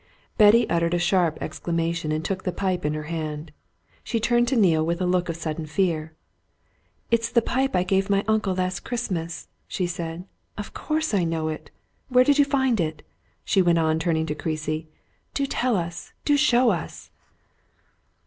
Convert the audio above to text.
Betty uttered a sharp exclamation and took the pipe in her hand. She turned to Neale with a look of sudden fear. "It's the pipe I gave my uncle last Christmas!" she said. "Of course I know it! Where did you find it?" she went on, turning on Creasy. "Do tell us do show us!"